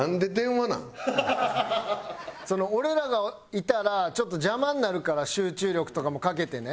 俺らがいたらちょっと邪魔になるから集中力とかも欠けてね。